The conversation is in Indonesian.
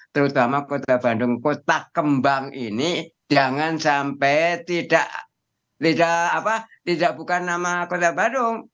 terutama kota bandung kota kembang ini jangan sampai tidak bukan nama kota bandung